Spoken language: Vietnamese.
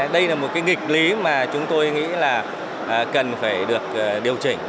đây là một cái nghịch lý mà chúng tôi nghĩ là cần phải được điều chỉnh